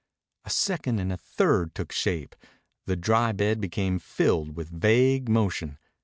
A second and a third took shape. The dry bed became filled with vague motion.